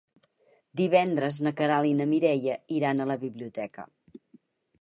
Divendres na Queralt i na Mireia iran a la biblioteca.